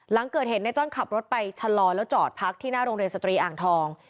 หลังเกิดเหตุในจ้อนขับรถไปชะลอแล้วจอดพักที่หน้าโรงเรียนสตรีอ่างทอง